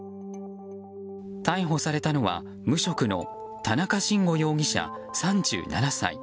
逮捕されたのは無職の田中慎吾容疑者、３７歳。